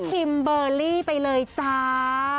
คิมเบอร์รี่ไปเลยจ้า